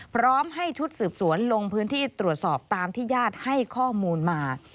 พร้อมให้ชุดสืบสวนลงพื้นที่ตรวจสอบตามที่ญาติให้ข้อมูลมา